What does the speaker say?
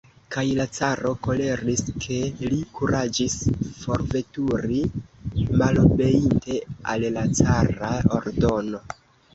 Kaj la caro koleris, ke li kuraĝis forveturi, malobeinte al la cara ordono.